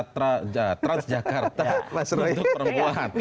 transjakarta untuk perempuan